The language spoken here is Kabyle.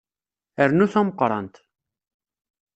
Rnu tameqqrant.